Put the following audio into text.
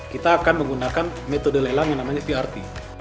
kita akan menggunakan metode lelang yang namanya prt